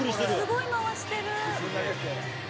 「すごい回してる！」